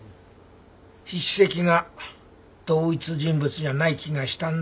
筆跡が同一人物じゃない気がしたんだよね。